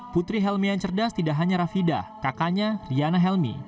putri helmi yang cerdas tidak hanya rafida kakaknya riana helmi